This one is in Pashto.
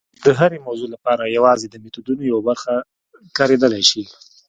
د هرې موضوع لپاره یوازې د میتودونو یوه برخه کارېدلی شي.